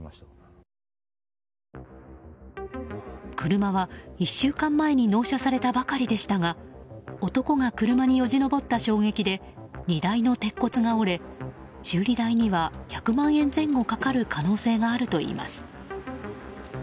車は１週間前に納車されたばかりでしたが男が車によじ登った衝撃で荷台の鉄骨が折れ修理代には１００万円前後かかる可能性があるといいます。